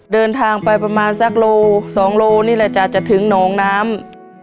เดินทางไปประมาณสักโล๒โลนี่แหละจ้ะจะถึงหนองน้ำ